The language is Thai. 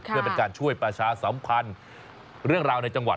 เพื่อเป็นการช่วยประชาสัมพันธ์เรื่องราวในจังหวัด